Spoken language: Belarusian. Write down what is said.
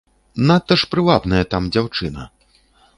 Надта ж прывабная там дзяўчына.